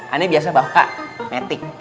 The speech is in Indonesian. ini biasa bawa metik